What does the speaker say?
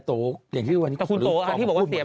โต๊ะก็อยู่ในกลุ่มนี้